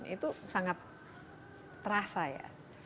itu sangat terasa ya